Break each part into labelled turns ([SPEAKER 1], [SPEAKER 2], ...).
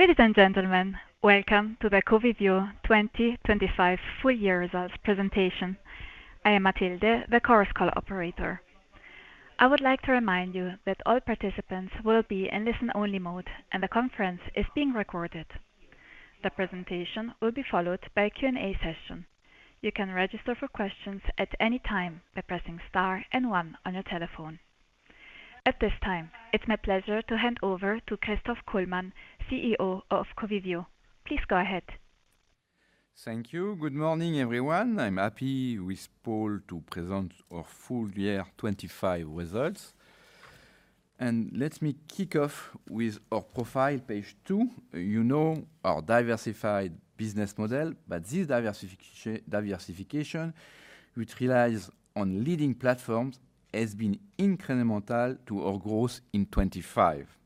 [SPEAKER 1] Ladies and gentlemen, welcome to the Covivio 2025 full year results presentation. I am Matilde, the conference operator. I would like to remind you that all participants will be in listen-only mode, and the conference is being recorded. The presentation will be followed by a Q&A session. You can register for questions at any time by pressing star and one on your telephone. At this time, it's my pleasure to hand over to Christophe Kullmann, CEO of Covivio. Please go ahead.
[SPEAKER 2] Thank you. Good morning, everyone. I'm happy with Paul to present our full year 2025 results. Let me kick off with our profile, page 2. You know, our diversified business model, but this diversification, which relies on leading platforms, has been incremental to our growth in 2025.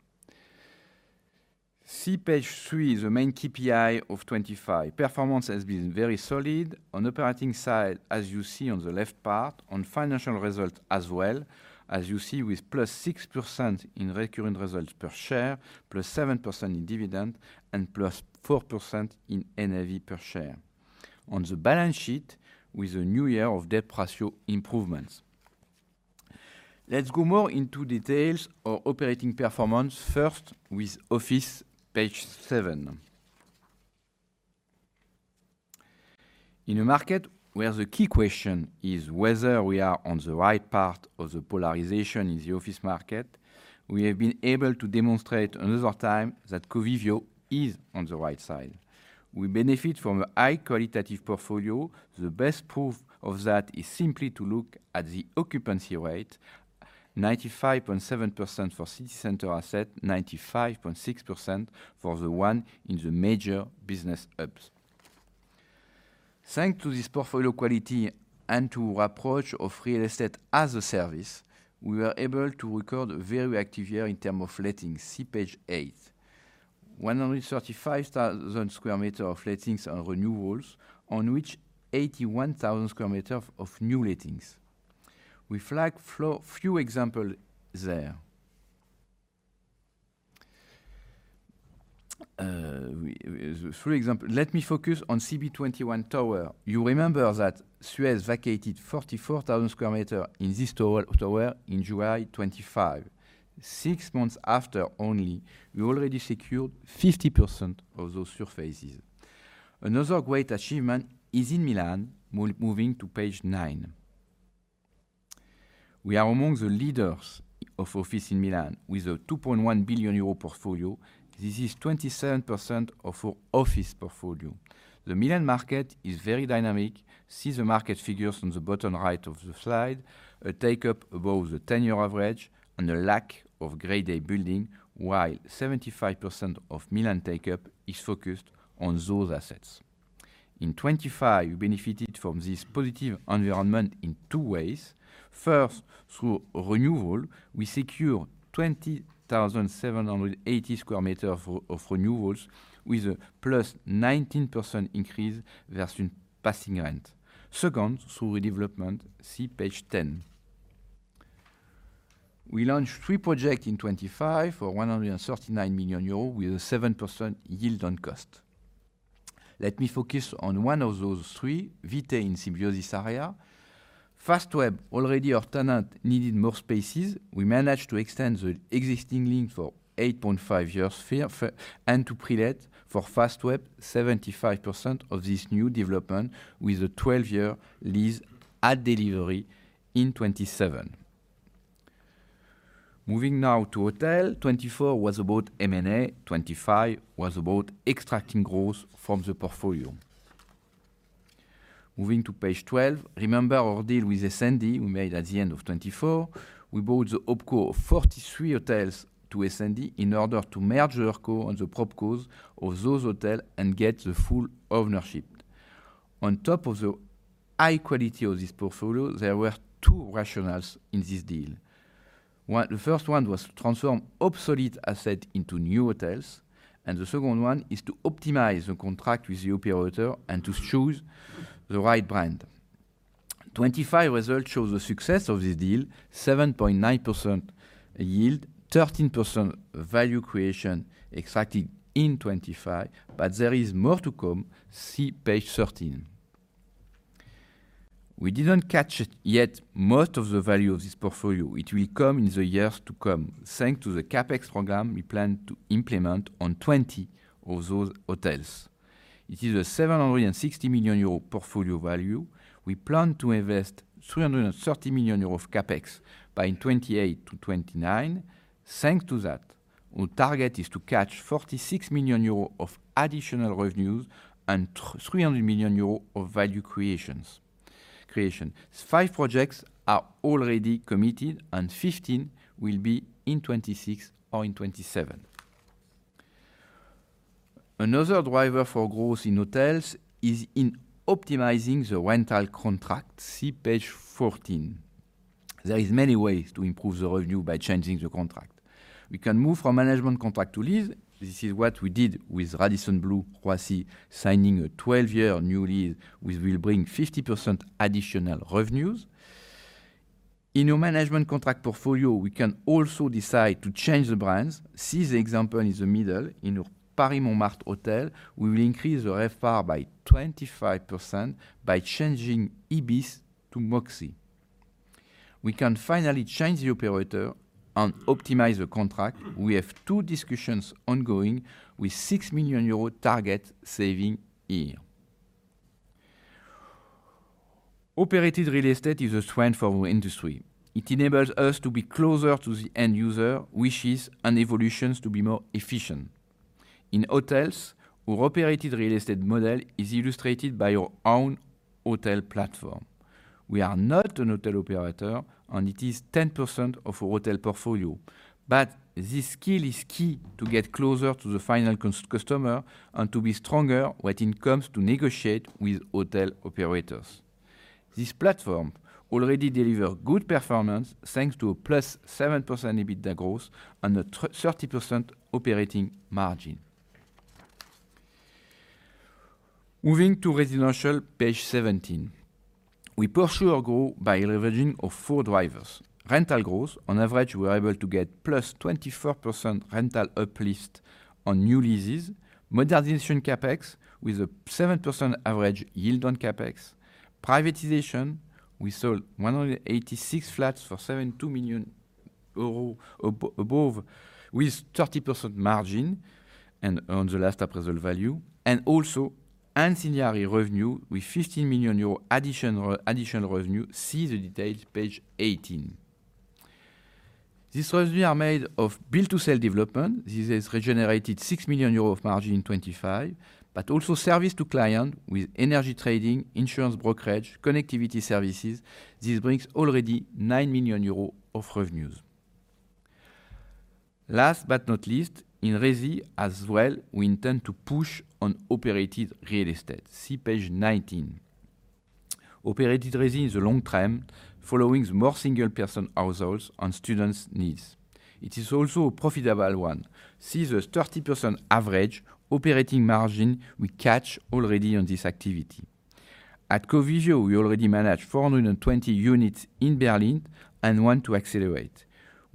[SPEAKER 2] See page 3, the main KPI of 2025. Performance has been very solid on operating side, as you see on the left part, on financial results as well, as you see with +6% in recurring results per share, +7% in dividend and +4% in NAV per share. On the balance sheet, with a new year of debt ratio improvements. Let's go more into details of operating performance, first with office, page 7. In a market where the key question is whether we are on the right path of the polarization in the office market, we have been able to demonstrate another time that Covivio is on the right side. We benefit from a high qualitative portfolio. The best proof of that is simply to look at the occupancy rate, 95.7% for city center asset, 95.6% for the one in the major business hubs. Thanks to this portfolio quality and to approach of real estate as a service, we were able to record a very active year in term of lettings. See page 8. 135,000 square meters of lettings and renewals, on which 81,000 square meters of new lettings. We flag a few example there. As a few example, let me focus on CB21 Tower. You remember that Suez vacated 44,000 square meters in this tower in July 2025. Only six months after, we already secured 50% of those surfaces. Another great achievement is in Milan. Moving to page 9. We are among the leaders of office in Milan, with a EUR 2.1 billion portfolio. This is 27% of our office portfolio. The Milan market is very dynamic. See the market figures on the bottom right of the slide, a takeup above the 10-year average and a lack of Grade A building, while 75% of Milan takeup is focused on those assets. In 2025, we benefited from this positive environment in two ways. First, through renewal, we secure 20,780 sq m of renewals with a +19% increase versus passing rent. Second, through development, see page 10. We launched three projects in 2025 for 139 million euros, with a 7% yield on cost. Let me focus on one of those three, Vitae in Symbiosis area. Fastweb, already our tenant, needed more spaces. We managed to extend the existing lease for 8.5 years and to pre-let for Fastweb, 75% of this new development, with a twelve-year lease at delivery in 2027. Moving now to hotels. 2024 was about M&A, 2025 was about extracting growth from the portfolio. Moving to page 12. Remember our deal with S&D we made at the end of 2024? We bought the OpCo of 43 hotels to S&D in order to merge their OpCo on the PropCos of those hotels and get the full ownership. On top of the high quality of this portfolio, there were two rationales in this deal. 1, the first one was to transform obsolete asset into new hotels, and the second one is to optimize the contract with the operator and to choose the right brand. 25 results show the success of this deal, 7.9% yield, 13% value creation extracted in 25, but there is more to come. See page 13. We didn't catch it yet most of the value of this portfolio, it will come in the years to come. Thanks to the CapEx program we plan to implement on 20 of those hotels. It is a 760 million euro portfolio value. We plan to invest 330 million euro of CapEx by in 2028-2029. Thanks to that, our target is to catch 46 million euros of additional revenues and 300 million euros of value creation. 5 projects are already committed and 15 will be in 2026 or in 2027. Another driver for growth in hotels is in optimizing the rental contract. See page 14. There is many ways to improve the revenue by changing the contract. We can move from management contract to lease. This is what we did with Radisson Blu Roissy, signing a 12-year new lease, which will bring 50% additional revenues... In your management contract portfolio, we can also decide to change the brands. See the example in the middle, in your Paris Montmartre hotel, we will increase the RevPAR by 25% by changing Ibis to Moxy. We can finally change the operator and optimize the contract. We have 2 discussions ongoing with 6 million euro target saving here. Operated real estate is a strength for our industry. It enables us to be closer to the end user wishes and evolutions to be more efficient. In hotels, our operated real estate model is illustrated by our own hotel platform. We are not an hotel operator, and it is 10% of our hotel portfolio. But this skill is key to get closer to the final customer and to be stronger when it comes to negotiate with hotel operators. This platform already deliver good performance, thanks to a +7% EBITDA growth and a 30% operating margin. Moving to residential, page 17. We pursue our growth by leveraging our four drivers. Rental growth, on average, we are able to get +24% rental uplift on new leases. Modernization CapEx, with a 7% average yield on CapEx. Privatization, we sold 186 flats for 72 million euros above, with 30% margin and on the last appraisal value. And also, ancillary revenue with 15 million euros additional, additional revenue. See the details, page 18. These revenue are made of build-to-sell development. This has regenerated 6 million euros of margin in 2025, but also service to client with energy trading, insurance brokerage, connectivity services. This brings already 9 million euros of revenues. Last but not least, in resi as well, we intend to push on operated real estate. See page 19. Operated resi is a long term, following the more single-person households and students' needs. It is also a profitable one. See the 30% average operating margin we catch already on this activity. At Covivio, we already manage 420 units in Berlin and want to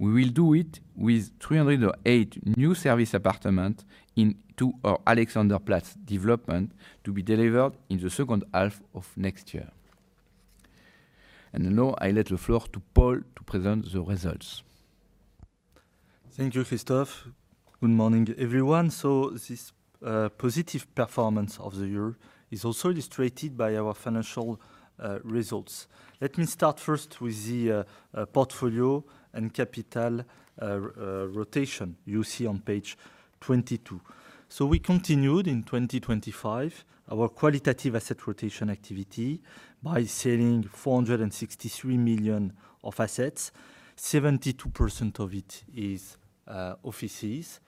[SPEAKER 2] accelerate. We will do it with 308 new serviced apartments into our Alexanderplatz development, to be delivered in the second half of next year. Now, I give the floor to Paul to present the results.
[SPEAKER 3] Thank you, Christophe. Good morning, everyone. So this positive performance of the year is also illustrated by our financial results. Let me start first with the portfolio and capital rotation you see on page 22. So we continued in 2025 our qualitative asset rotation activity by selling 463 million of assets. 72% of it is offices.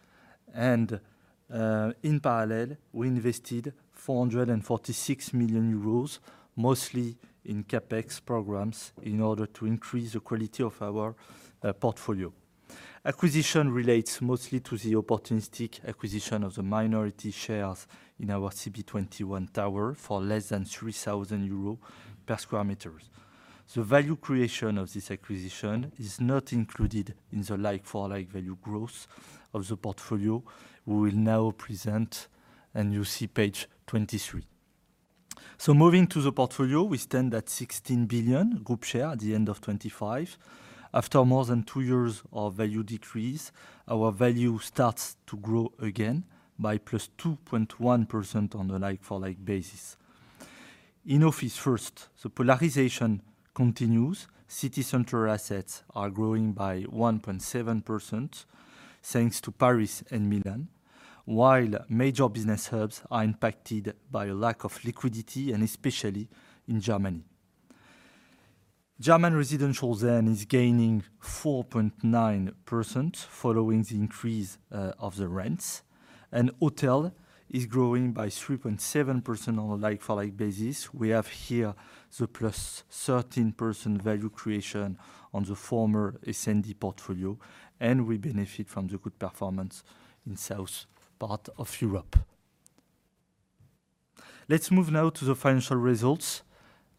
[SPEAKER 3] And in parallel, we invested 446 million euros, mostly in CapEx programs, in order to increase the quality of our portfolio. Acquisition relates mostly to the opportunistic acquisition of the minority shares in our CB21 Tower for less than 3,000 euros per sq m. The value creation of this acquisition is not included in the like-for-like value growth of the portfolio. We will now present, and you see page 23. Moving to the portfolio, we stand at 16 billion group share at the end of 2025. After more than 2 years of value decrease, our value starts to grow again by +2.1% on a like-for-like basis. In office first, the polarization continues. City center assets are growing by 1.7%, thanks to Paris and Milan, while major business hubs are impacted by a lack of liquidity, and especially in Germany. German residential then is gaining 4.9%, following the increase of the rents, and hotel is growing by 3.7% on a like-for-like basis. We have here the +13% value creation on the former AccorInvest portfolio, and we benefit from the good performance in south part of Europe. Let's move now to the financial results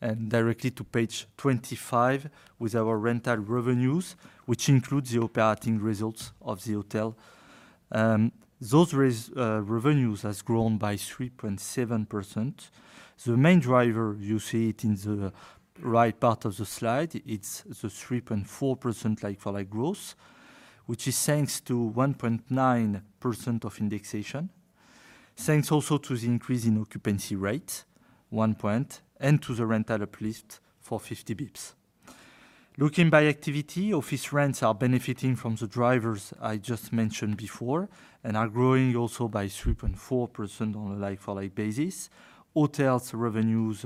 [SPEAKER 3] and directly to page 25 with our rental revenues, which include the operating results of the hotel. Those revenues has grown by 3.7%. The main driver, you see it in the right part of the slide, it's the 3.4% like-for-like growth, which is thanks to 1.9% of indexation. Thanks also to the increase in occupancy rate, 1 point, and to the rental uplift for 50 basis points. Looking by activity, office rents are benefiting from the drivers I just mentioned before and are growing also by 3.4% on a like-for-like basis. Hotels revenues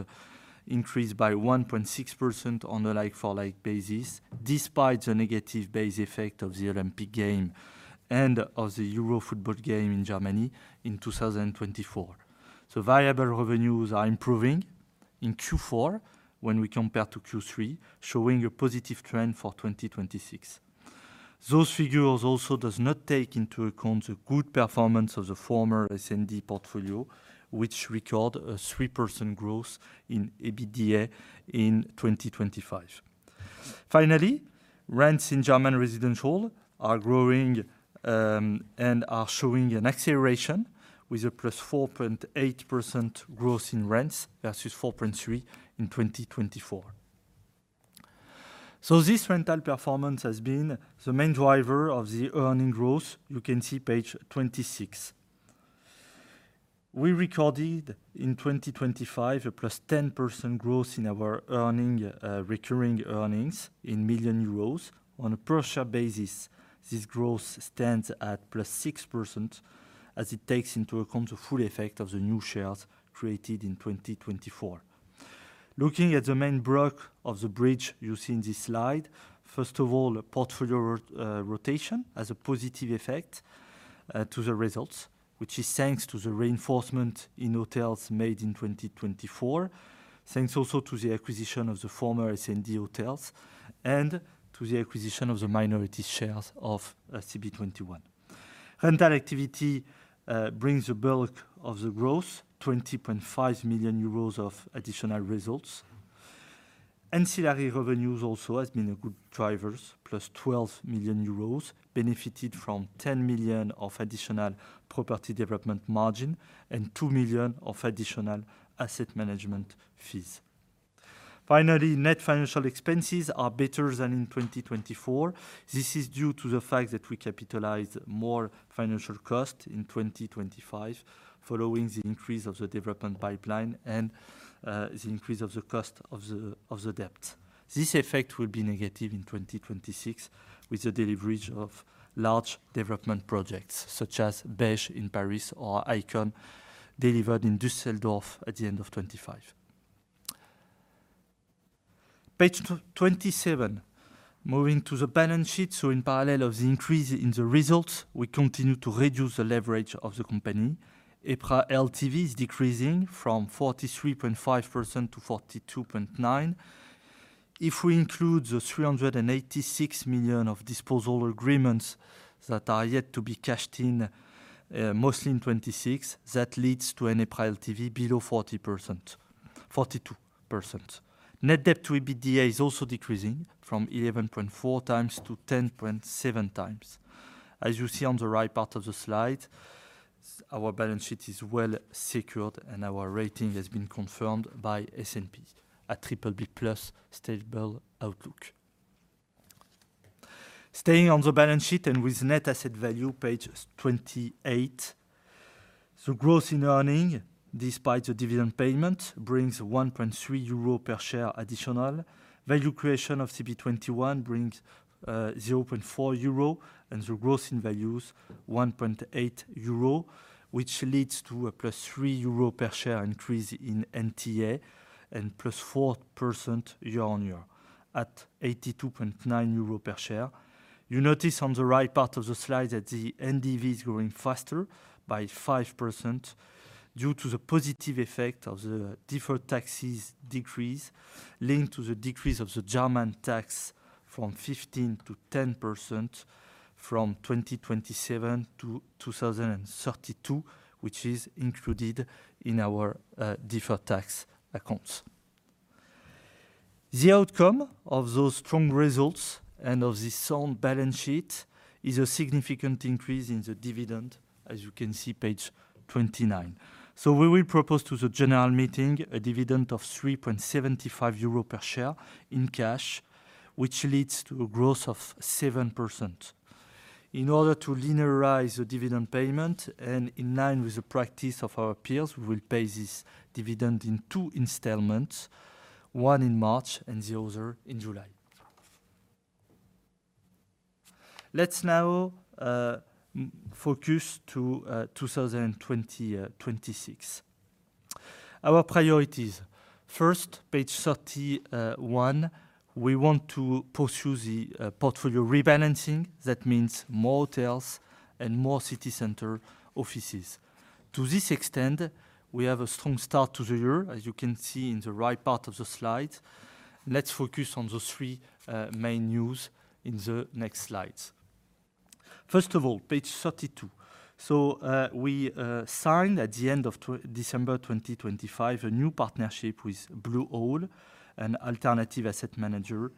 [SPEAKER 3] increased by 1.6% on a like-for-like basis, despite the negative base effect of the Olympic Games and of the Euro football games in Germany in 2024. So variable revenues are improving in Q4 when we compare to Q3, showing a positive trend for 2026.... Those figures also does not take into account the good performance of the former SND portfolio, which recorded a 3% growth in EBITDA in 2025. Finally, rents in German residential are growing, and are showing an acceleration with a +4.8% growth in rents versus 4.3% in 2024. So this rental performance has been the main driver of the earning growth. You can see page 26. We recorded in 2025, a +10% growth in our earning, recurring earnings in million euros. On a per share basis, this growth stands at +6%, as it takes into account the full effect of the new shares created in 2024. Looking at the main block of the bridge you see in this slide, first of all, a portfolio rotation as a positive effect to the results, which is thanks to the reinforcement in hotels made in 2024. Thanks also to the acquisition of the former SND hotels and to the acquisition of the minority shares of CB21. Rental activity brings the bulk of the growth, 20.5 million euros of additional results. Ancillary revenues also has been a good drivers, plus 12 million euros, benefited from 10 million of additional property development margin and 2 million of additional asset management fees. Finally, net financial expenses are better than in 2024. This is due to the fact that we capitalize more financial cost in 2025, following the increase of the development pipeline and the increase of the cost of the debt. This effect will be negative in 2026, with the delivery of large development projects such as Beige in Paris or Icon, delivered in Düsseldorf at the end of 2025. Page 27, moving to the balance sheet. So in parallel of the increase in the results, we continue to reduce the leverage of the company. EPRA LTV is decreasing from 43.5% to 42.9%. If we include the 386 million of disposal agreements that are yet to be cashed in, mostly in 2026, that leads to an EPRA LTV below 40% to -42%. Net debt to EBITDA is also decreasing from 11.4x to 10.7x. As you see on the right part of the slide, our balance sheet is well secured, and our rating has been confirmed by S&P, a BBB+ stable outlook. Staying on the balance sheet and with net asset value, page 28. The growth in earnings, despite the dividend payment, brings 1.3 euro per share additional. Value creation of CB21 brings 0.4 euro, and the growth in values 1.8 euro, which leads to a +3 euro per share increase in NTA and +4% year-on-year at 82.9 euro per share. You notice on the right part of the slide that the NDV is growing faster by 5% due to the positive effect of the deferred taxes decrease, linked to the decrease of the German tax from 15% to 10% from 2027 to 2032, which is included in our deferred tax accounts. The outcome of those strong results and of this sound balance sheet is a significant increase in the dividend, as you can see, page 29. So we will propose to the general meeting a dividend of 3.75 euro per share in cash, which leads to a growth of 7%. In order to linearize the dividend payment and in line with the practice of our peers, we will pay this dividend in two installments, one in March and the other in July. Let's now focus to 2026. Our priorities. First, page 31, we want to pursue the portfolio rebalancing. That means more hotels and more city center offices. To this extent, we have a strong start to the year, as you can see in the right part of the slide. Let's focus on the three main news in the next slides. First of all, page 32. So we signed at the end of December 2025, a new partnership with Blue Owl, an alternative asset manager,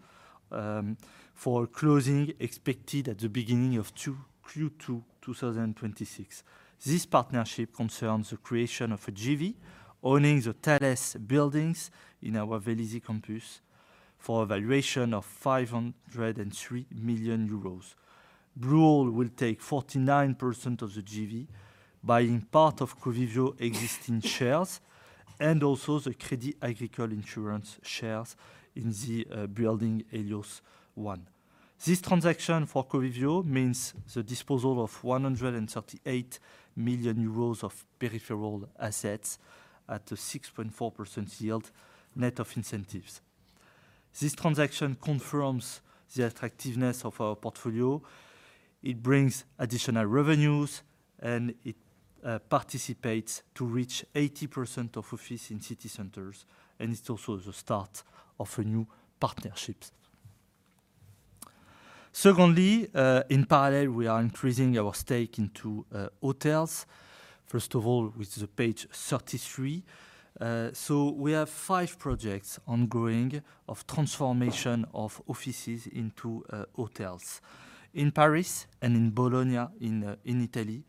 [SPEAKER 3] for closing, expected at the beginning of Q2 2026. This partnership concerns the creation of a JV, owning the Thales buildings in our Vélizy campus for a valuation of 503 million euros. Blue Owl will take 49% of the JV, buying part of Covivio existing shares and also the Crédit Agricole insurance shares in the building Hélios One. This transaction for Covivio means the disposal of 138 million euros of peripheral assets at a 6.4% yield, net of incentives. This transaction confirms the attractiveness of our portfolio... it brings additional revenues, and it participates to reach 80% of office in city centers, and it's also the start of a new partnerships. Secondly, in parallel, we are increasing our stake into hotels. First of all, which is page 33. So we have five projects ongoing of transformation of offices into hotels. In Paris and in Bologna, in Italy,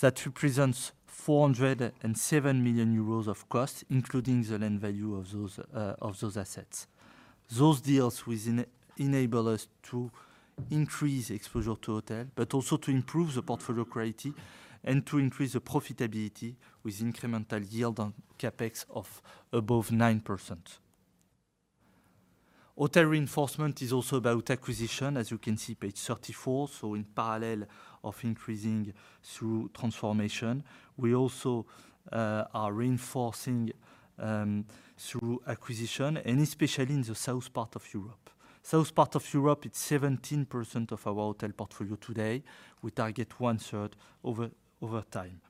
[SPEAKER 3] that represents 407 million euros of cost, including the land value of those assets. Those deals will enable us to increase exposure to hotel, but also to improve the portfolio quality and to increase the profitability with incremental yield on CapEx of above 9%. Hotel reinforcement is also about acquisition, as you can see, page 34. So in parallel of increasing through transformation, we also are reinforcing through acquisition, and especially in the south part of Europe. South part of Europe, it's 17% of our hotel portfolio today. We target one-third over time.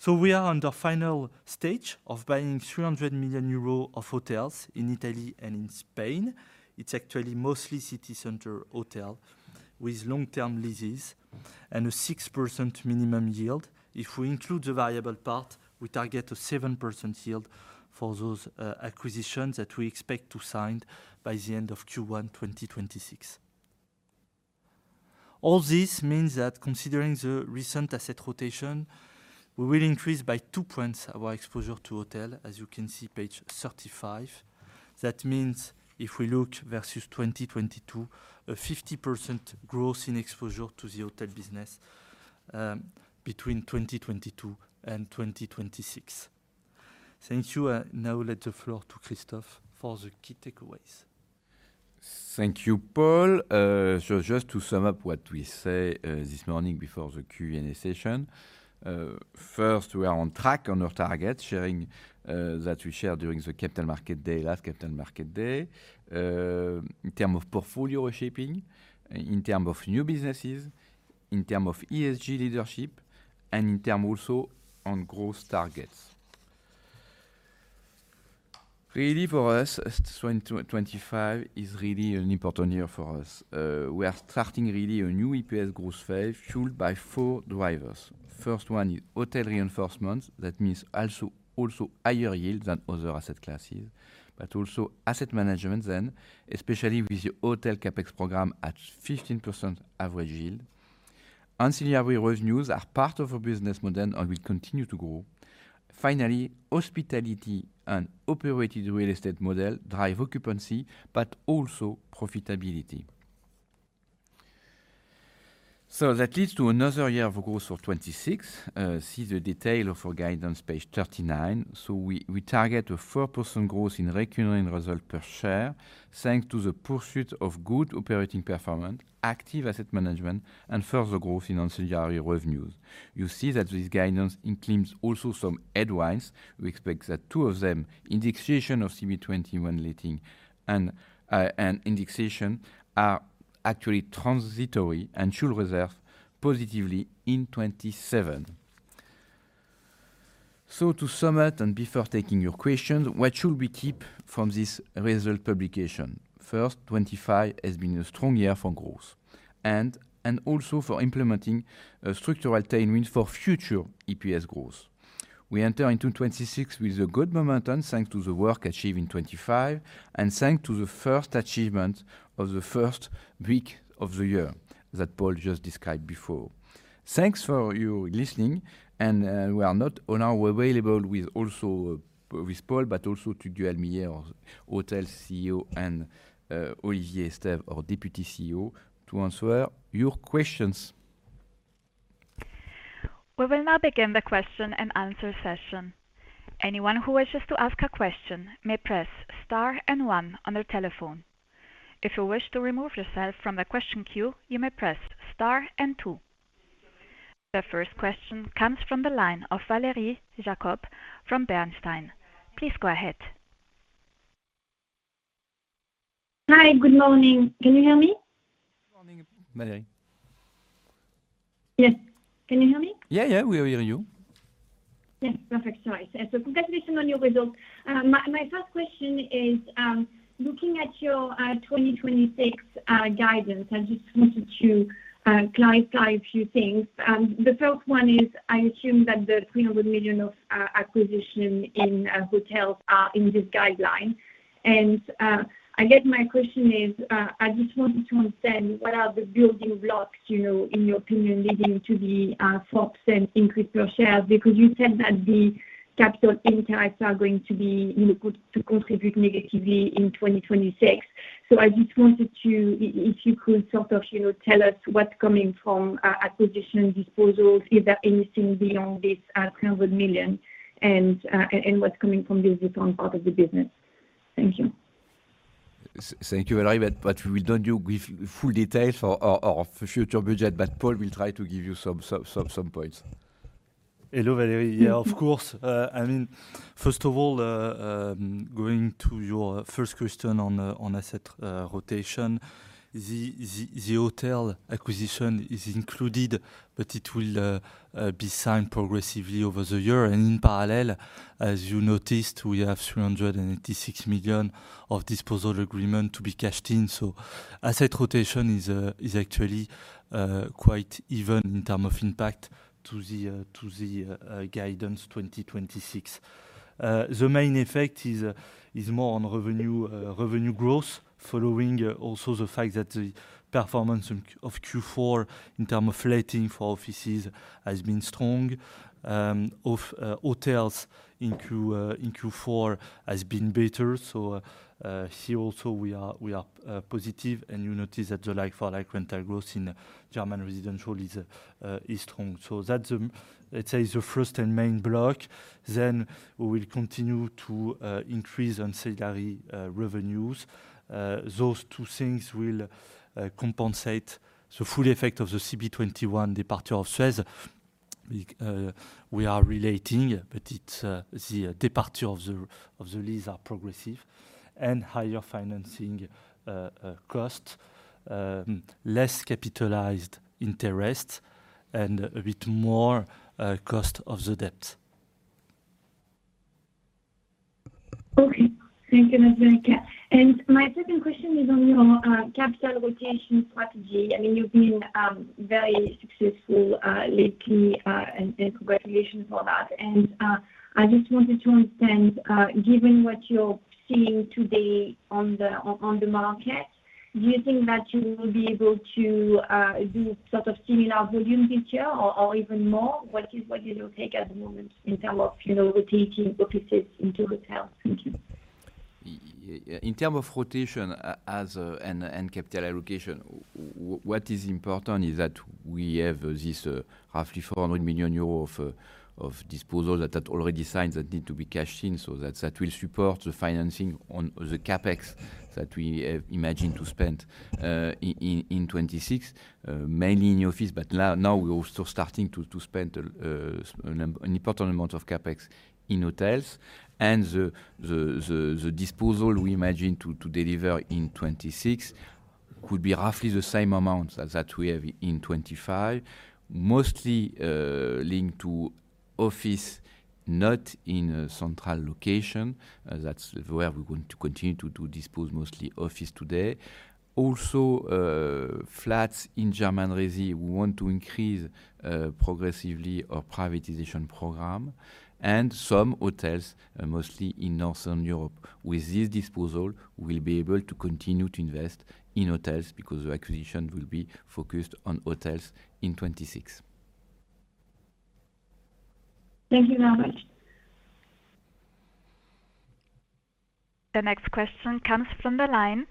[SPEAKER 3] So we are on the final stage of buying 300 million euros of hotels in Italy and in Spain. It's actually mostly city center hotel with long-term leases and a 6% minimum yield. If we include the variable part, we target a 7% yield for those, acquisitions that we expect to sign by the end of Q1 2026. All this means that considering the recent asset rotation, we will increase by two points our exposure to hotel, as you can see, page 35. That means if we look versus 2022, a 50% growth in exposure to the hotel business, between 2022 and 2026. Thank you. I now let the floor to Christophe for the key takeaways.
[SPEAKER 2] Thank you, Paul. So just to sum up what we say, this morning before the Q&A session. First, we are on track on our target, sharing, that we shared during the Capital Market Day, last Capital Market Day. In term of portfolio shaping, in term of new businesses, in term of ESG leadership, and in term also on growth targets. Really, for us, 2025 is really an important year for us. We are starting really a new EPS growth phase, fueled by four drivers. First one is hotel reinforcements. That means also, also higher yield than other asset classes, but also asset management then, especially with the hotel CapEx program at 15% average yield. Ancillary revenues are part of our business model and will continue to grow. Finally, hospitality and operated real estate model drive occupancy, but also profitability. So that leads to another year of growth for 2026. See the detail of our guidance, page 39. So we target a 4% growth in recurring result per share, thanks to the pursuit of good operating performance, active asset management, and further growth in ancillary revenues. You see that this guidance includes also some headwinds. We expect that two of them, indexation of CB21 leasing and indexation, are actually transitory and should reverse positively in 2027. So to sum it, and before taking your question, what should we keep from this result publication? First, 2025 has been a strong year for growth and also for implementing a structural adjustment for future EPS growth. We enter into 2026 with a good momentum, thanks to the work achieved in 2025, and thanks to the first achievement of the first week of the year that Paul just described before. Thanks for your listening, and, we are not only available with also, with Paul, but also to Tugdual, our hotel CEO, and, Olivier Estève, our deputy CEO, to answer your questions.
[SPEAKER 1] We will now begin the question-and-answer session. Anyone who wishes to ask a question may press star and one on their telephone. If you wish to remove yourself from the question queue, you may press star and two. The first question comes from the line of Valérie Jacob from Bernstein. Please go ahead.
[SPEAKER 4] Hi, good morning. Can you hear me?
[SPEAKER 2] Good morning, Valérie.
[SPEAKER 4] Yes. Can you hear me?
[SPEAKER 2] Yeah, yeah, we hear you.
[SPEAKER 4] Yeah, perfect. Sorry. So congratulations on your results. My first question is, looking at your 2026 guidance, I just wanted to clarify a few things. The first one is, I assume that the 300 million of acquisition in hotels are in this guidance. And I guess my question is, I just wanted to understand what are the building blocks, you know, in your opinion, leading to the 4% increase per share? Because you said that the capital intakes are going to be, you know, going to contribute negatively in 2026. So I just wanted to. If you could sort of, you know, tell us what's coming from acquisition, disposals, is there anything beyond this 300 million, and and what's coming from this current part of the business? Thank you.
[SPEAKER 2] Thank you, Valérie. But we don't do with full details for future budget, but Paul will try to give you some points. Hello, Valérie. Yeah, of course. I mean, first of all, going to your first question on the asset rotation. The hotel acquisition is included, but it will be signed progressively over the year. And in parallel, as you noticed, we have 386 million of disposal agreement to be cashed in. So asset rotation is actually quite even in term of impact to the guidance 2026. The main effect is more on revenue revenue growth, following also the fact that the performance on Q4 in term of letting for offices has been strong. Of hotels in Q4 has been better. So, here also we are, we are positive, and you notice that the like-for-like rental growth in German residential is strong. So that's, let's say, the first and main block, then we will continue to increase on hotel revenues. Those two things will compensate the full effect of the CB21 departure of Suez. We are reletting, but it's the departure of the lease are progressive and higher financing cost, less capitalized interest and a bit more cost of the debt.
[SPEAKER 4] Okay. Thank you, Laurence. And my second question is on your capital rotation strategy. I mean, you've been very successful lately, and congratulations for that. And I just wanted to understand, given what you're seeing today on the market, do you think that you will be able to do sort of similar volume this year or even more? What is your take at the moment in terms of, you know, rotating offices into hotels? Thank you.
[SPEAKER 2] Yeah, in terms of rotation as and capital allocation, what is important is that we have this roughly 400 million euros of disposal that already signed, that need to be cashed in, so that will support the financing on the CapEx that we imagine to spend in 2026. Mainly in office, but now we're also starting to spend an important amount of CapEx in hotels. And the disposal we imagine to deliver in 2026 could be roughly the same amount as that we have in 2025. Mostly linked to office, not in a central location. That's where we're going to continue to dispose, mostly office today. Also, flats in German resi, we want to increase progressively our privatization program and some hotels, mostly in Northern Europe. With this disposal, we'll be able to continue to invest in hotels because the acquisition will be focused on hotels in 2026.
[SPEAKER 4] Thank you very much.
[SPEAKER 1] The next question comes from the line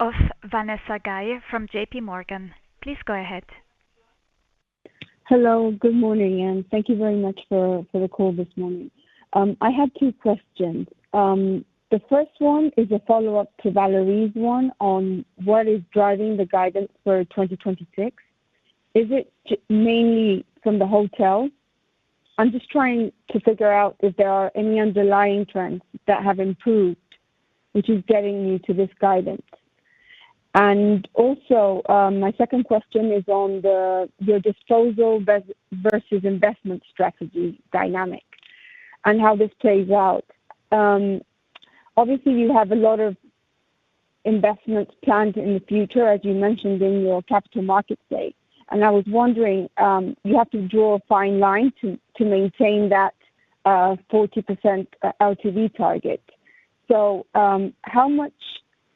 [SPEAKER 1] of Vanessa Guy from JPMorgan. Please go ahead.
[SPEAKER 5] Hello, good morning, and thank you very much for the call this morning. I have two questions. The first one is a follow-up to Valérie's one on what is driving the guidance for 2026. Is it mainly from the hotels? I'm just trying to figure out if there are any underlying trends that have improved, which is getting you to this guidance. And also, my second question is on your disposal versus investment strategy dynamic and how this plays out. Obviously, you have a lot of investments planned in the future, as you mentioned in your capital market stake. And I was wondering, you have to draw a fine line to maintain that 40% LTV target. So, how much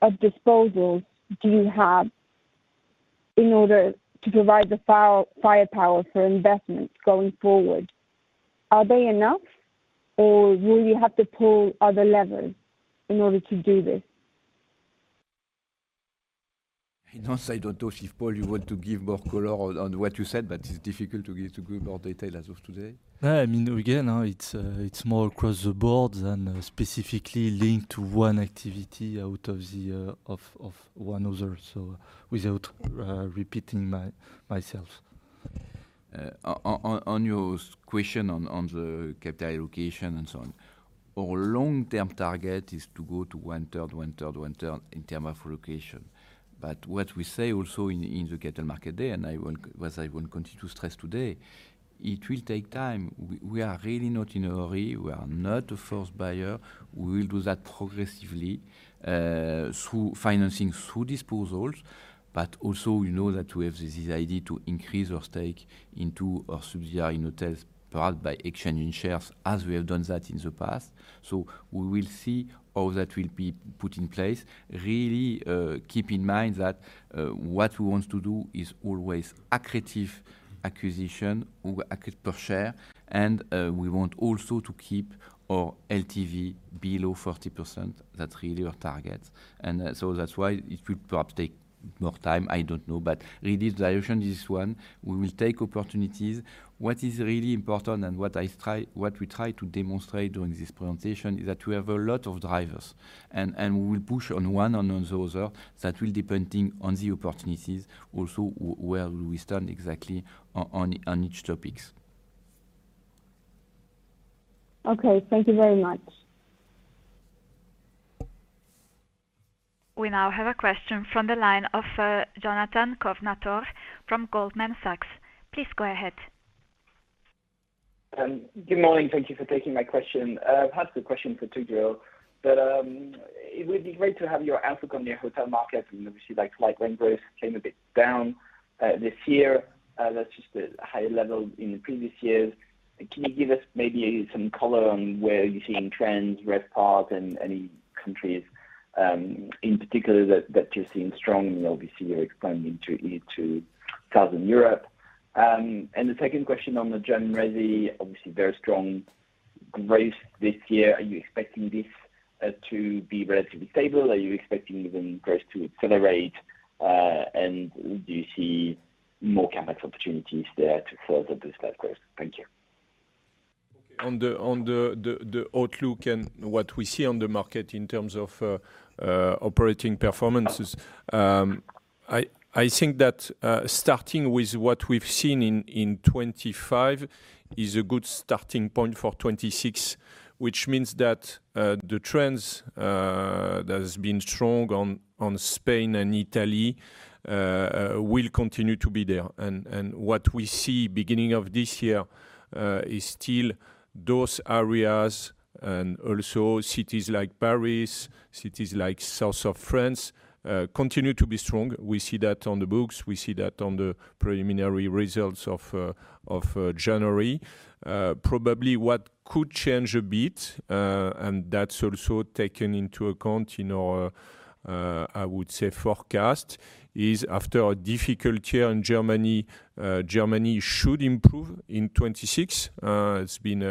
[SPEAKER 5] of disposals do you have in order to provide the firepower for investments going forward? Are they enough, or will you have to pull other levers in order to do this?
[SPEAKER 2] I don't say, I don't know. Chief Paul, you want to give more color on what you said, but it's difficult to give more detail as of today.
[SPEAKER 3] Yeah, I mean, again, it's more across the board than specifically linked to one activity out of the other. So without repeating myself.
[SPEAKER 2] On your question on the capital allocation and so on, our long-term target is to go to 1/3, 1/3, 1/3 in terms of allocation. But what we say also in the capital market day, and I want... What I want to continue to stress today, it will take time. We are really not in a hurry. We are not a first buyer. We will do that progressively, through financing, through disposals. But also, we know that we have this idea to increase our stake into our subsidiary in hotels, part by exchanging shares, as we have done that in the past. So we will see how that will be put in place. Really, keep in mind that, what we want to do is always accretive acquisition or accretive per share, and, we want also to keep our LTV below 40%. That's really our target. So that's why it will perhaps take more time, I don't know. But really, the direction is one, we will take opportunities. What is really important and what I try, what we try to demonstrate during this presentation is that we have a lot of drivers, and, and we will push on one and on the other. That will depending on the opportunities, also where we stand exactly on, on each topics....
[SPEAKER 6] Okay, thank you very much.
[SPEAKER 1] We now have a question from the line of, Jonathan Kownator from Goldman Sachs. Please go ahead.
[SPEAKER 7] Good morning. Thank you for taking my question. I have two questions for you. But it would be great to have your outlook on the hotel market, and obviously, like, like-for-like rent growth came a bit down this year. That's just a high level in the previous years. Can you give us maybe some color on where you're seeing trends, RevPAR and any countries in particular that you're seeing strong, and obviously you're expanding into Southern Europe? And the second question on the gen resi, obviously very strong growth this year. Are you expecting this to be relatively stable? Are you expecting even growth to accelerate, and do you see more CapEx opportunities there to further boost that growth? Thank you.
[SPEAKER 8] On the outlook and what we see on the market in terms of operating performances, I think that starting with what we've seen in 2025 is a good starting point for 2026, which means that the trends that has been strong on Spain and Italy will continue to be there. And what we see beginning of this year is still those areas and also cities like Paris, cities like South of France continue to be strong. We see that on the books. We see that on the preliminary results of January. Probably what could change a bit and that's also taken into account, you know, I would say forecast is after a difficult year in Germany, Germany should improve in 2026. It's been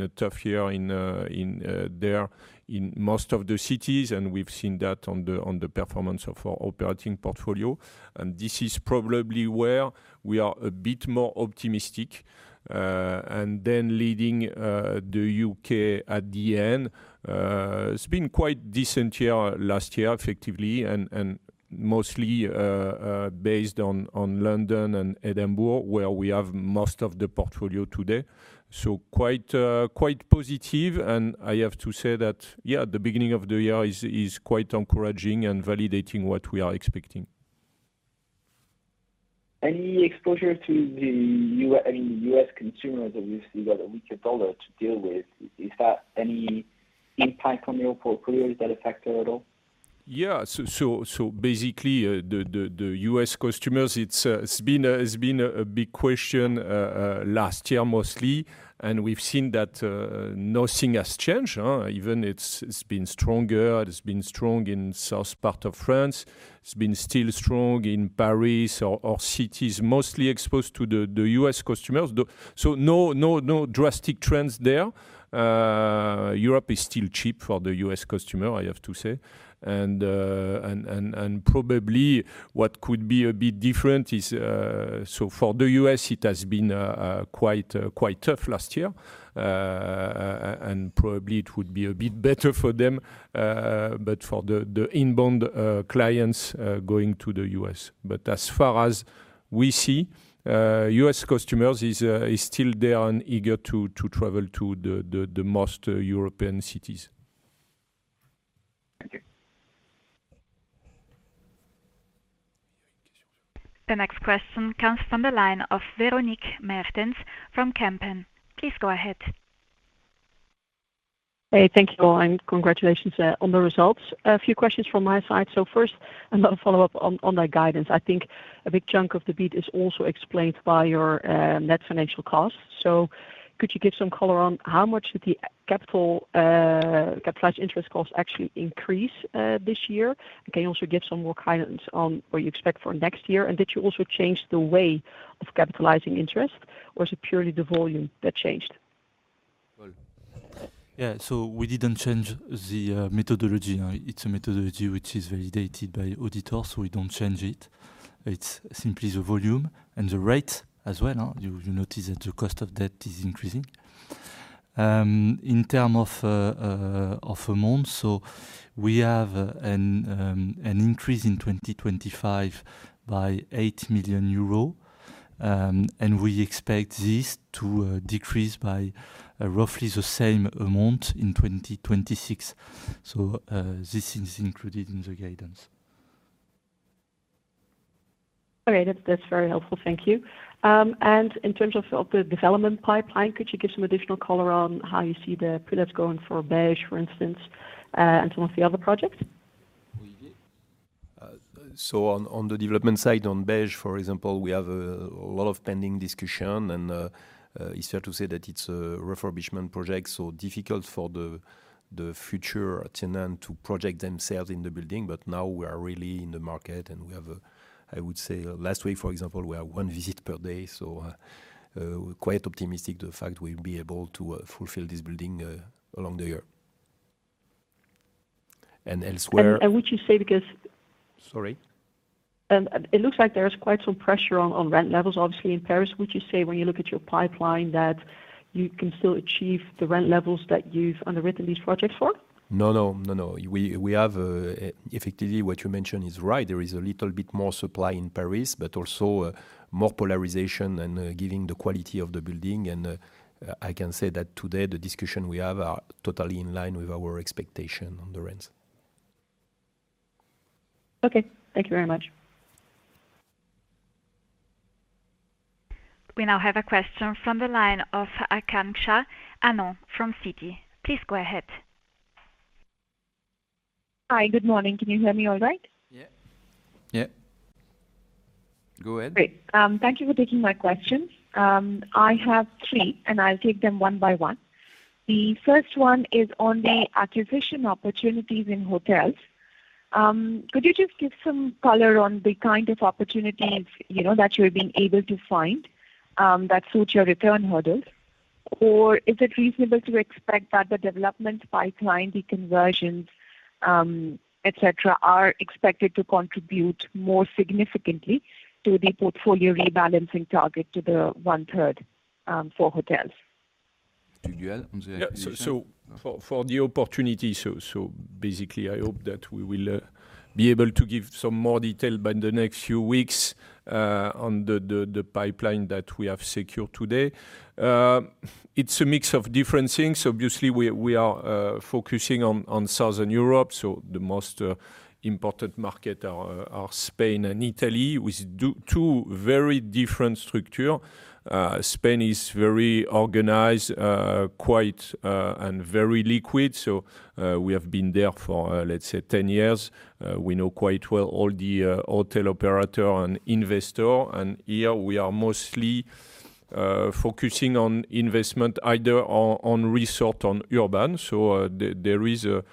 [SPEAKER 8] a tough year in there in most of the cities, and we've seen that on the performance of our operating portfolio. And this is probably where we are a bit more optimistic, and then leading the UK at the end. It's been quite a decent year last year, effectively, and mostly based on London and Edinburgh, where we have most of the portfolio today. So quite positive. And I have to say that, yeah, the beginning of the year is quite encouraging and validating what we are expecting.
[SPEAKER 7] Any exposure to the U.S. - any U.S. consumers, obviously, got a weaker US dollar to deal with. Is that any impact on your portfolio? Is that affected at all?
[SPEAKER 8] Yeah. So basically, the U.S. customers, it's been a big question last year mostly, and we've seen that nothing has changed, even it's been stronger. It's been strong in south part of France. It's been still strong in Paris or cities mostly exposed to the U.S. customers. So no drastic trends there. Europe is still cheap for the U.S. customer, I have to say. And probably what could be a bit different is... So for the U.S., it has been quite tough last year. And probably it would be a bit better for them, but for the inbound clients going to the U.S. But as far as we see, U.S. customers is still there and eager to the most European cities.
[SPEAKER 7] Thank you.
[SPEAKER 1] The next question comes from the line of Véronique Meertens from Kempen. Please go ahead.
[SPEAKER 6] Hey, thank you all, and congratulations on the results. A few questions from my side. So first, another follow-up on that guidance. I think a big chunk of the beat is also explained by your net financial costs. So could you give some color on how much did the capital capitalized interest costs actually increase this year? And can you also give some more guidance on what you expect for next year? And did you also change the way of capitalizing interest, or is it purely the volume that changed?
[SPEAKER 3] Well, yeah, so we didn't change the methodology. It's a methodology which is validated by auditors, so we don't change it. It's simply the volume and the rate as well, huh? You notice that the cost of debt is increasing. In terms of amount, so we have an increase in 2025 by 8 million euro, and we expect this to decrease by roughly the same amount in 2026. So, this is included in the guidance.
[SPEAKER 6] Okay. That's, that's very helpful. Thank you. In terms of the development pipeline, could you give some additional color on how you see the products going for Beige, for instance, and some of the other projects?
[SPEAKER 3] So on the development side, on Beige, for example, we have a lot of pending discussion, and it's fair to say that it's a refurbishment project, so difficult for the future tenant to project themselves in the building. But now we are really in the market, and we have a... I would say last week, for example, we had one visit per day, so we're quite optimistic the fact we'll be able to fulfill this building along the year. And elsewhere-
[SPEAKER 6] And would you say because-
[SPEAKER 3] Sorry?
[SPEAKER 6] It looks like there's quite some pressure on rent levels, obviously, in Paris. Would you say when you look at your pipeline, that you can still achieve the rent levels that you've underwritten these projects for?
[SPEAKER 3] No, no. No, no. We have effectively what you mentioned is right. There is a little bit more supply in Paris, but also more polarization and giving the quality of the building. And I can say that today, the discussion we have are totally in line with our expectation on the rents.... Okay, thank you very much.
[SPEAKER 1] We now have a question from the line of Akanksha Anand from Citi. Please go ahead.
[SPEAKER 9] Hi, good morning. Can you hear me all right?
[SPEAKER 2] Yeah. Yeah. Go ahead.
[SPEAKER 9] Great. Thank you for taking my questions. I have three, and I'll take them one by one. The first one is on the acquisition opportunities in hotels. Could you just give some color on the kind of opportunities, you know, that you've been able to find, that suit your return hurdles? Or is it reasonable to expect that the development pipeline, the conversions, et cetera, are expected to contribute more significantly to the portfolio rebalancing target to the one-third, for hotels?
[SPEAKER 2] Did you add on the acquisition?
[SPEAKER 8] Yeah. So for the opportunity, so basically, I hope that we will be able to give some more detail by the next few weeks on the pipeline that we have secured today. It's a mix of different things. Obviously, we are focusing on Southern Europe, so the most important market are Spain and Italy, with two very different structure. Spain is very organized, quite, and very liquid, so we have been there for, let's say, 10 years. We know quite well all the hotel operator and investor. And here we are mostly focusing on investment, either on resort on urban. So, there is a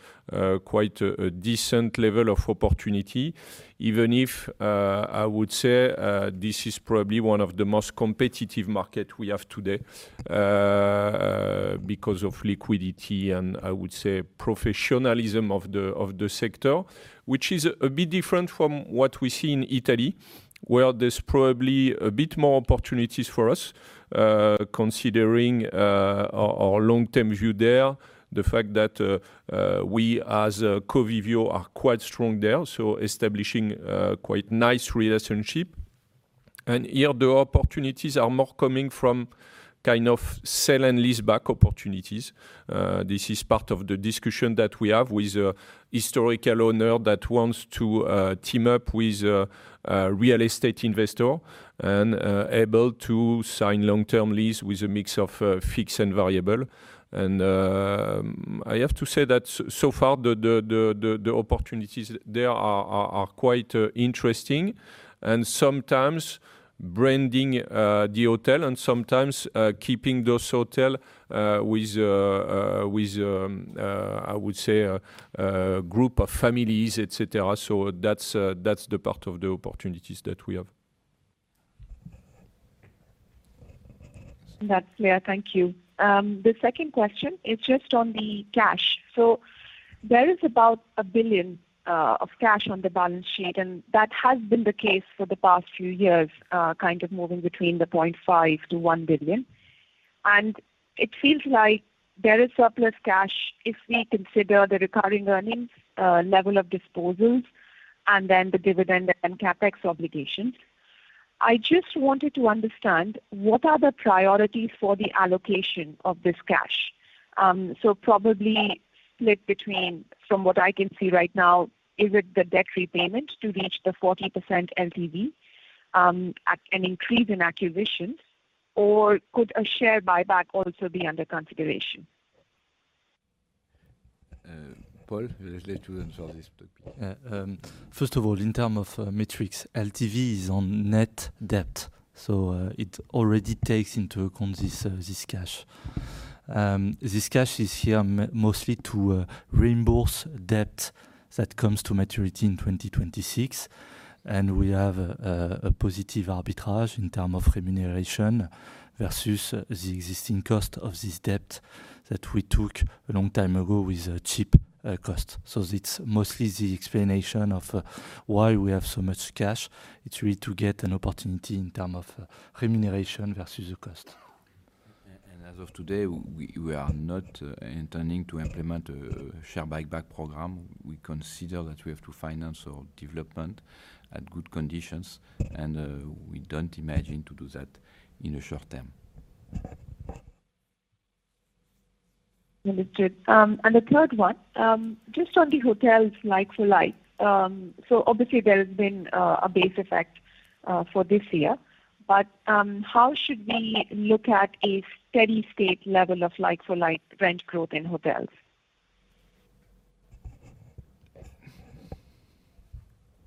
[SPEAKER 8] quite a decent level of opportunity, even if I would say this is probably one of the most competitive market we have today, because of liquidity and I would say professionalism of the sector. Which is a bit different from what we see in Italy, where there's probably a bit more opportunities for us, considering our long-term view there. The fact that we, as Covivio, are quite strong there, so establishing a quite nice relationship. And here, the opportunities are more coming from kind of sell and lease back opportunities. This is part of the discussion that we have with historical owner that wants to team up with a real estate investor and able to sign long-term lease with a mix of fixed and variable. I have to say that so far, the opportunities there are quite interesting, and sometimes branding the hotel and sometimes keeping those hotel with, I would say, a group of families, et cetera. So that's the part of the opportunities that we have.
[SPEAKER 9] That's clear. Thank you. The second question is just on the cash. So there is about 1 billion of cash on the balance sheet, and that has been the case for the past few years, kind of moving between 0.5 billion-1 billion. And it seems like there is surplus cash if we consider the recurring earnings level of disposals and then the dividend and CapEx obligations. I just wanted to understand, what are the priorities for the allocation of this cash? So probably split between, from what I can see right now, is it the debt repayment to reach the 40% LTV, at an increase in acquisitions, or could a share buyback also be under consideration?
[SPEAKER 2] Paul would like to answer this topic.
[SPEAKER 3] First of all, in terms of metrics, LTV is on net debt, so it already takes into account this cash. This cash is here mostly to reimburse debt that comes to maturity in 2026. We have a positive arbitrage in terms of remuneration versus the existing cost of this debt that we took a long time ago with a cheap cost. So it's mostly the explanation of why we have so much cash. It's really to get an opportunity in terms of remuneration versus the cost.
[SPEAKER 2] As of today, we are not intending to implement a share buyback program. We consider that we have to finance our development at good conditions, and we don't imagine to do that in a short term.
[SPEAKER 9] Understood. The third one, just on the hotels like-for-like. Obviously there has been a base effect for this year, but how should we look at a steady state level of like-for-like rent growth in hotels?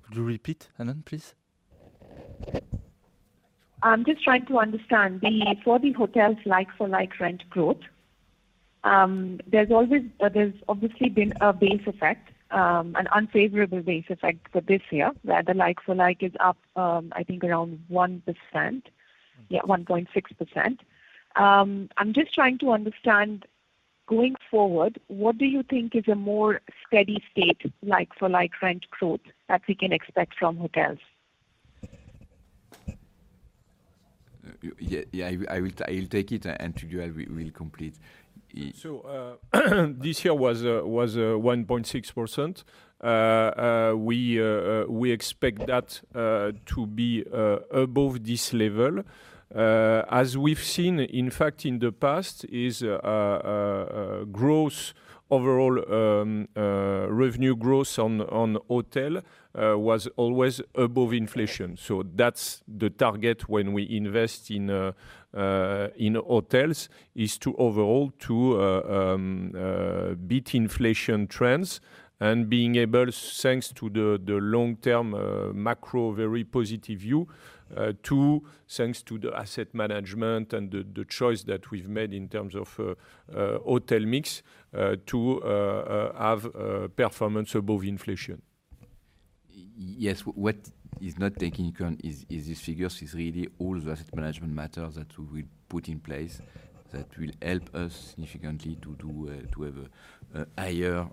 [SPEAKER 3] Could you repeat, Anand, please?
[SPEAKER 9] I'm just trying to understand. The for the hotels like-for-like rent growth, there's always... there's obviously been a base effect, an unfavorable base effect for this year, where the like-for-like is up, I think around 1%. Yeah, 1.6%. I'm just trying to understand, going forward, what do you think is a more steady state, like-for-like rent growth that we can expect from hotels?
[SPEAKER 2] Yeah, I will take it, and to you, I will complete.
[SPEAKER 8] So, this year was 1.6%. We expect that to be above this level. As we've seen, in fact, in the past, growth overall revenue growth on hotel was always above inflation. So that's the target when we invest in hotels, is to overall to beat inflation trends and being able, thanks to the long-term macro very positive view, to thanks to the asset management and the choice that we've made in terms of hotel mix, to have performance above inflation.
[SPEAKER 2] Yes, what is not taking into account is these figures, which is really all the asset management matters that we put in place that will help us significantly to have a higher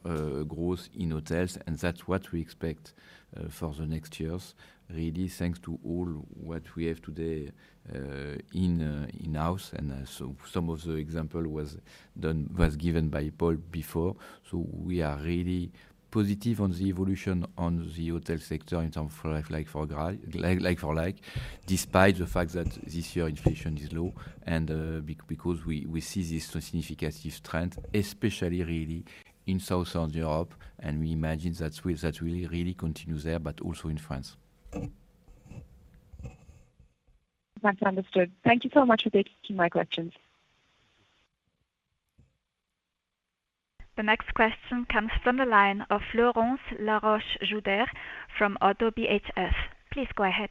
[SPEAKER 2] growth in hotels, and that's what we expect for the next years. Really, thanks to all what we have today in-house, so some of the example was given by Paul before. So we are really positive on the evolution on the hotel sector in terms of like-for-like, like-for-like, despite the fact that this year inflation is low and because we see this significant trend, especially really in Southern Europe, and we imagine that will really continue there, but also in France.
[SPEAKER 9] That's understood. Thank you so much for taking my questions.
[SPEAKER 1] The next question comes from the line of Florent Laroche-Joubert from Oddo BHF. Please go ahead.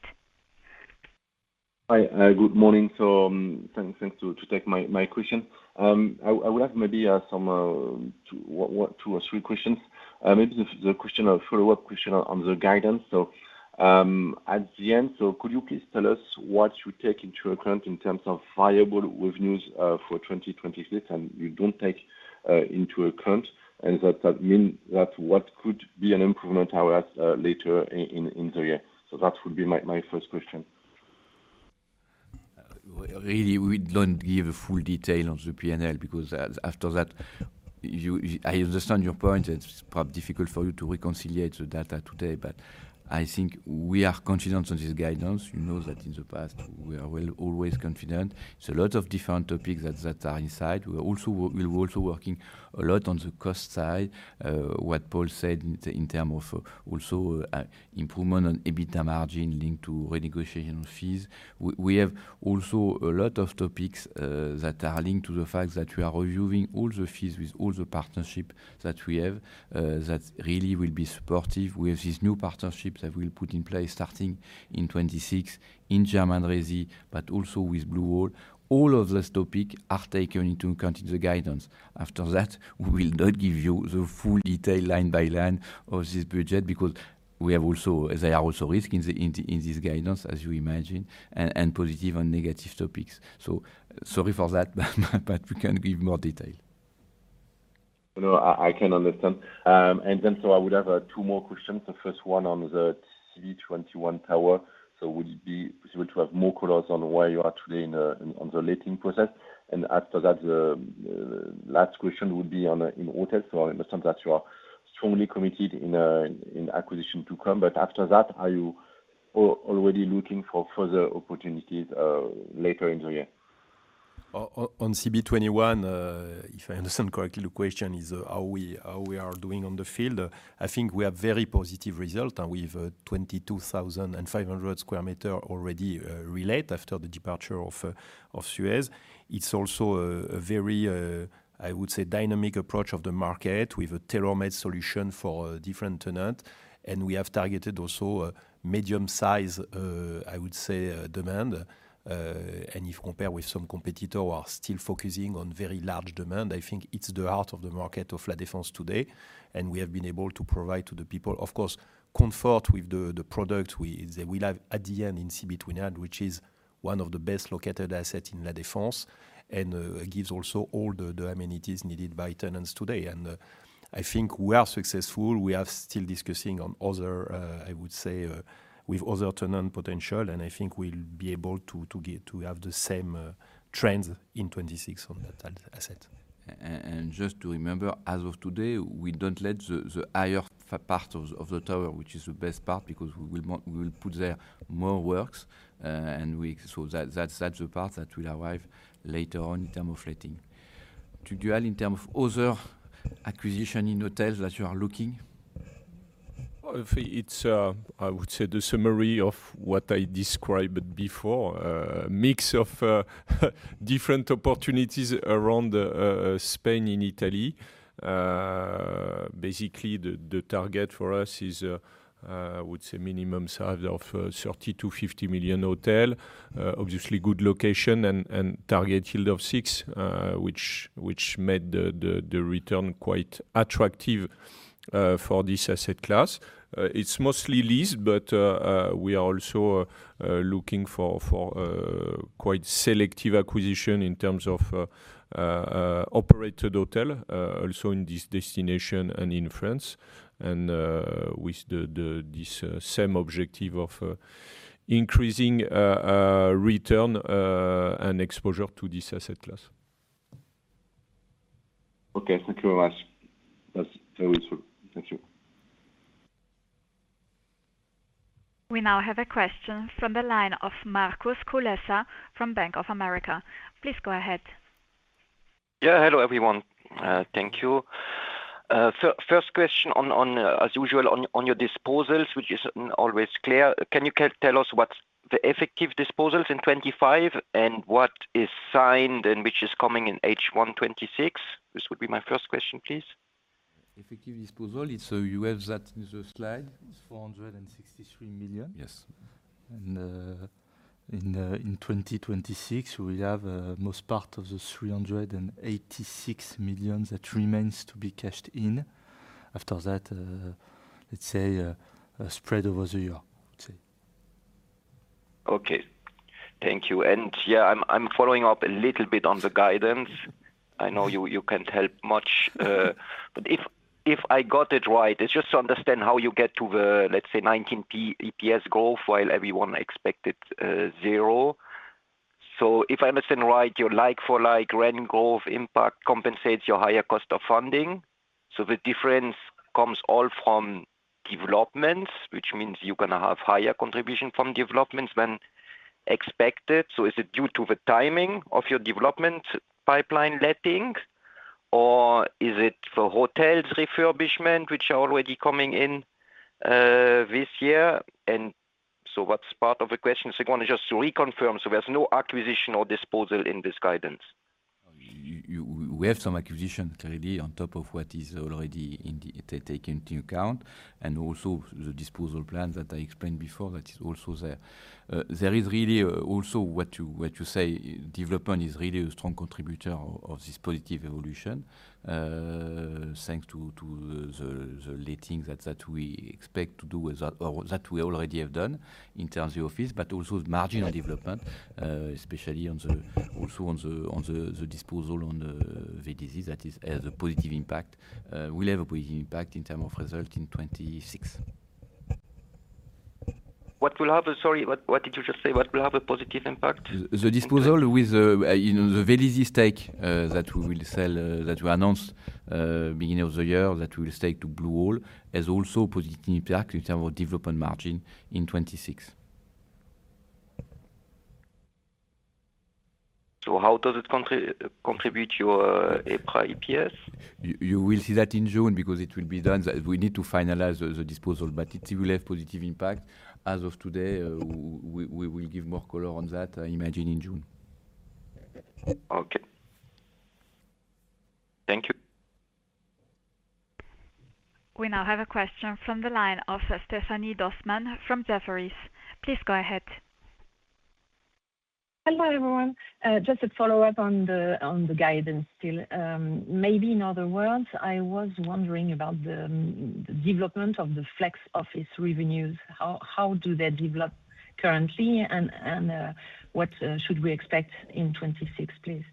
[SPEAKER 10] Hi, good morning. So, thanks to take my question. I would have maybe some two or three questions. Maybe the follow-up question on the guidance. So, at the end, so could you please tell us what you take into account in terms of viable revenues for 2026, and you don't take into account, and that mean that what could be an improvement, however, later in the year? So that would be my first question.
[SPEAKER 2] Really, we don't give a full detail on the P&L because, after that, you, I understand your point. It's perhaps difficult for you to reconcile the data today, but I think we are confident on this guidance. You know that in the past, we are well always confident. There's a lot of different topics that are inside. We're also working a lot on the cost side. What Paul said in terms of also, improvement on EBITDA margin linked to renegotiation fees. We have also a lot of topics that are linked to the fact that we are reviewing all the fees with all the partnerships that we have, that really will be supportive with this new partnership that we'll put in place, starting in 2026 in German resi, but also with Blue Owl. All of this topic are taken into account in the guidance. After that, we will not give you the full detail line by line of this budget, because we have also... there are also risk in this guidance, as you imagine, and positive and negative topics. So sorry for that, but we can't give more detail.
[SPEAKER 10] No, I can understand. And then, so I would have two more questions. The first one on the CB21 Tower. So would it be possible to have more colors on where you are today in on the letting process? And after that, last question would be on in hotels. So I understand that you are strongly committed in in acquisition to come, but after that, are you already looking for further opportunities later in the year?
[SPEAKER 11] On CB21, if I understand correctly, the question is, how we, how we are doing on the field. I think we have very positive result, and we've 22,500 square meter already prelet after the departure of of Suez. It's also a, a very, I would say, dynamic approach of the market with a tailor-made solution for a different tenant. And we have targeted also a medium-size, I would say, demand. And if compare with some competitor who are still focusing on very large demand, I think it's the heart of the market of La Défense today, and we have been able to provide to the people, of course, comfort with the product they will have at the end in CB21, which is one of the best located asset in La Défense, and gives also all the amenities needed by tenants today. I think we are successful. We are still discussing on other, I would say, with other tenant potential, and I think we'll be able to get to have the same trends in 2026 on that asset.
[SPEAKER 2] And just to remember, as of today, we don't let the higher part of the tower, which is the best part, because we will put there more works. So that's the part that will arrive later on in terms of letting. Tugdual, in terms of other acquisitions in hotels that you are looking?
[SPEAKER 8] Well, I think it's, I would say the summary of what I described before, mix of different opportunities around the Spain and Italy. Basically, the target for us is, I would say minimum size of 30 million-50 million hotel. Obviously, good location and target yield of 6%, which made the return quite attractive for this asset class. It's mostly leased, but we are also looking for quite selective acquisition in terms of operated hotel, also in this destination and in France. And with this same objective of increasing return and exposure to this asset class....
[SPEAKER 12] Okay, thank you very much. That's very true. Thank you.
[SPEAKER 1] We now have a question from the line of Markus Kulessa from Bank of America. Please go ahead.
[SPEAKER 13] Yeah, hello, everyone. Thank you. First question on, as usual, on your disposals, which isn't always clear. Can you tell us what's the effective disposals in 2025 and what is signed and which is coming in H1 2026? This would be my first question, please.
[SPEAKER 2] Effective disposal, it's so you have that in the slide. It's 463 million.
[SPEAKER 13] Yes.
[SPEAKER 2] In 2026, we will have most part of the 386 million that remains to be cashed in. After that, let's say, spread over the year, I would say.
[SPEAKER 13] Okay. Thank you. Yeah, I'm following up a little bit on the guidance. I know you can't help much, but if I got it right, it's just to understand how you get to the, let's say, 19 EPS goal, while everyone expected 0. So if I understand right, your like-for-like rent growth impact compensates your higher cost of funding. So the difference comes all from developments, which means you're gonna have higher contribution from developments than expected. So is it due to the timing of your development pipeline letting, or is it for hotels refurbishment, which are already coming in this year? And so what's part of the question, second, I want just to reconfirm, so there's no acquisition or disposal in this guidance?
[SPEAKER 2] You, we have some acquisitions already on top of what is already in the taken into account, and also the disposal plan that I explained before, that is also there. There is really also what you, what you say, development is really a strong contributor of this positive evolution. Thanks to the letting that we expect to do with that or that we already have done in terms of office, but also marginal development, especially also on the disposal on Vélizy. That has a positive impact, will have a positive impact in term of result in 2026.
[SPEAKER 13] Sorry, what, what did you just say? What will have a positive impact?
[SPEAKER 2] The disposal with, you know, the VDC stake that we will sell that we announced beginning of the year that we will stake to Blue Owl has also a positive impact in terms of development margin in 2026.
[SPEAKER 13] So how does it contribute to your EPRA EPS?
[SPEAKER 2] You will see that in June, because it will be done. We need to finalize the disposal, but it will have positive impact. As of today, we will give more color on that, I imagine in June.
[SPEAKER 13] Okay. Thank you.
[SPEAKER 1] We now have a question from the line of Stéphanie Dossmann from Jefferies. Please go ahead.
[SPEAKER 12] Hello, everyone. Just a follow-up on the guidance still. Maybe in other words, I was wondering about the development of the flex office revenues. How do they develop currently, and what should we expect in 2026, please?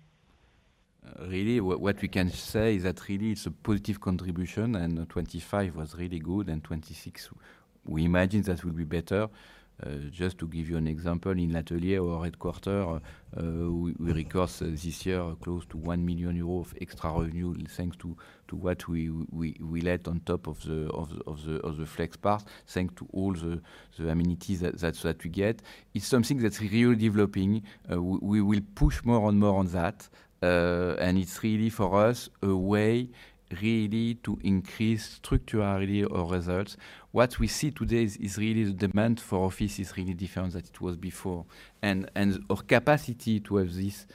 [SPEAKER 2] Really, what we can say is that really it's a positive contribution, and 2025 was really good, and 2026, we imagine that will be better. Just to give you an example, in L'Atelier, our headquarters, we recouped this year close to 1 million euros of extra revenue, thanks to what we let on top of the flex part, thanks to all the amenities that we get. It's something that's really developing. We will push more and more on that, and it's really, for us, a way really to increase structurally our results. What we see today is really the demand for office is really different than it was before. And our capacity to have this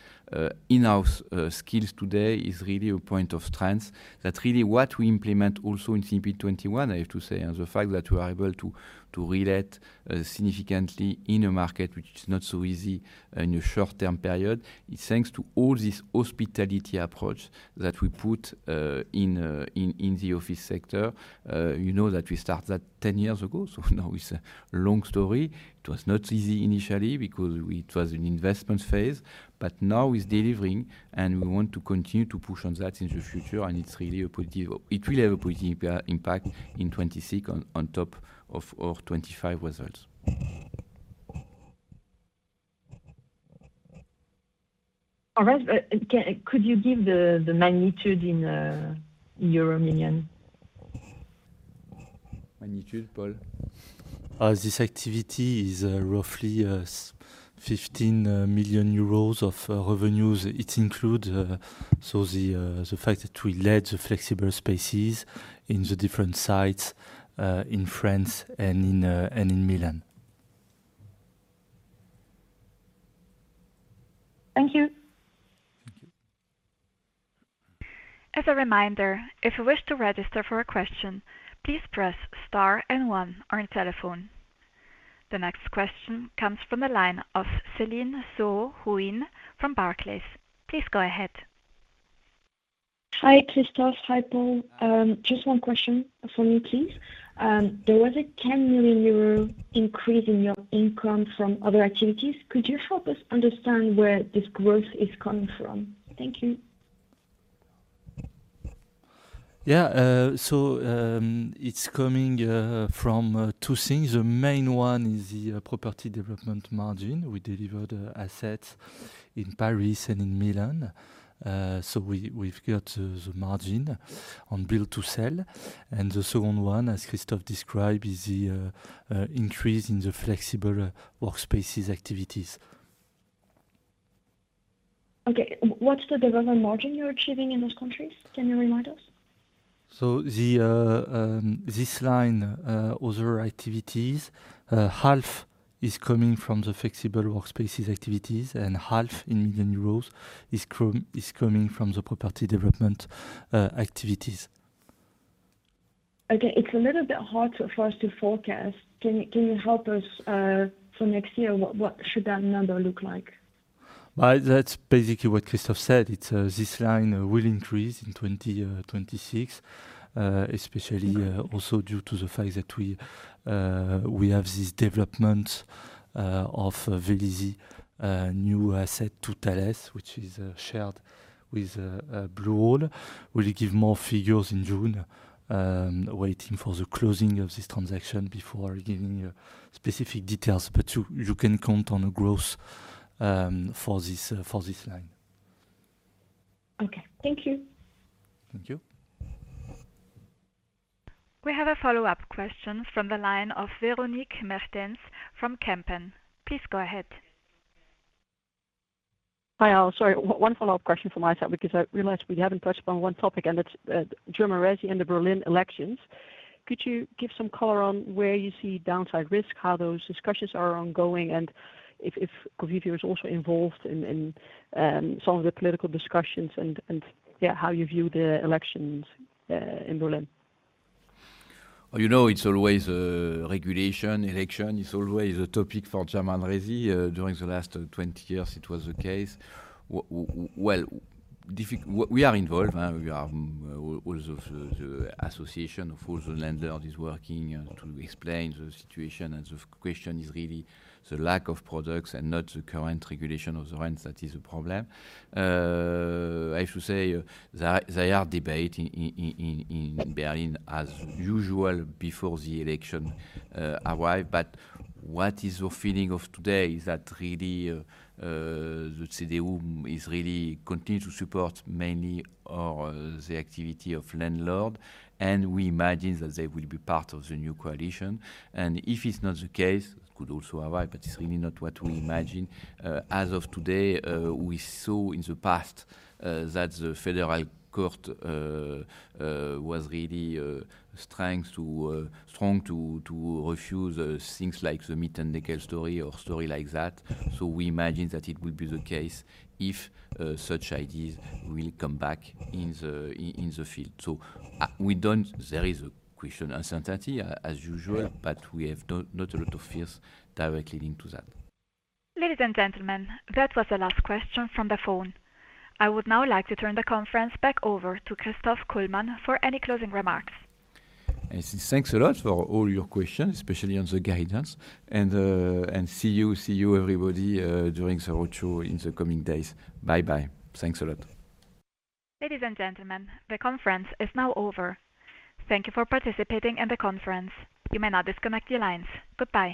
[SPEAKER 2] in-house skills today is really a point of strength. That's really what we implement also in CB21, I have to say, and the fact that we are able to, to relate, significantly in a market which is not so easy in a short-term period. It's thanks to all this hospitality approach that we put, in, in, in the office sector. You know that we start that 10 years ago, so now it's a long story. It was not easy initially because it was an investment phase, but now it's delivering, and we want to continue to push on that in the future, and it's really a positive... It will have a positive, impact in 2026 on, on top of our 2025 results.
[SPEAKER 12] All right. Could you give the magnitude in euro million?
[SPEAKER 2] Magnitude, Paul? This activity is roughly 15 million euros of revenues. It include so the fact that we let the flexible spaces in the different sites in France and in Milan.
[SPEAKER 12] Thank you.
[SPEAKER 1] As a reminder, if you wish to register for a question, please press star and one on telephone. The next question comes from the line of Céline Soo-Huynh from Barclays. Please go ahead.
[SPEAKER 14] Hi, Christophe. Hi, Paul. Just one question from me, please. There was a 10 million euro increase in your income from other activities. Could you help us understand where this growth is coming from? Thank you....
[SPEAKER 2] Yeah, so, it's coming from two things. The main one is the property development margin. We delivered assets in Paris and in Milan. So we, we've got the margin on build to sell. And the second one, as Christophe described, is the increase in the flexible workspaces activities.
[SPEAKER 14] Okay. What's the development margin you're achieving in those countries? Can you remind us?
[SPEAKER 2] So the this line other activities half is coming from the flexible workspaces activities, and EUR 0.5 million is coming from the property development activities.
[SPEAKER 14] Okay. It's a little bit hard for us to forecast. Can you help us for next year, what should that number look like?
[SPEAKER 2] Well, that's basically what Christophe said. It's this line will increase in 2026. Especially also due to the fact that we have this development of Vélizy new asset to Thales, which is shared with Blue Owl. We'll give more figures in June, waiting for the closing of this transaction before giving specific details, but you can count on a growth for this line.
[SPEAKER 14] Okay. Thank you.
[SPEAKER 2] Thank you.
[SPEAKER 1] We have a follow-up question from the line of Véronique Meertens from Kempen. Please go ahead.
[SPEAKER 6] Hi, all. Sorry, one follow-up question from my side, because I realized we haven't touched upon one topic, and it's German resi and the Berlin elections. Could you give some color on where you see downside risk, how those discussions are ongoing, and if Covivio is also involved in some of the political discussions and yeah, how you view the elections in Berlin?
[SPEAKER 2] Well, you know, it's always regulation. Election is always a topic for German resi. During the last 20 years, it was the case. Well, we are involved, we are, all of the, the association of all the landlord is working to explain the situation. And the question is really the lack of products and not the current regulation of the rents that is a problem. I should say, there are, there are debate in, in Berlin as usual before the election arrive. But what is the feeling of today is that really the CDU is really continue to support mainly the activity of landlord, and we imagine that they will be part of the new coalition. And if it's not the case, could also arrive, but it's really not what we imagine. As of today, we saw in the past that the Federal Court was really trying to refuse things like the Mietendeckel story or story like that. So we imagine that it will be the case if such ideas will come back in the field. So, we don't... There is a question, uncertainty as usual, but we have not, not a lot of fears directly leading to that.
[SPEAKER 1] Ladies and gentlemen, that was the last question from the phone. I would now like to turn the conference back over to Christophe Kullmann for any closing remarks.
[SPEAKER 2] I say thanks a lot for all your questions, especially on the guidance. And, and see you, see you, everybody, during the roadshow in the coming days. Bye-bye. Thanks a lot.
[SPEAKER 1] Ladies and gentlemen, the conference is now over. Thank you for participating in the conference. You may now disconnect your lines. Goodbye.